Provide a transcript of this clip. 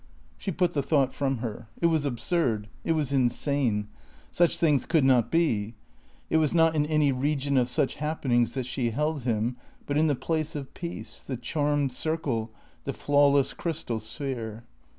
She put the thought from her. It was absurd. It was insane. Such things could not be. It was not in any region of such happenings that she held him, but in the place of peace, the charmed circle, the flawless crystal sphere.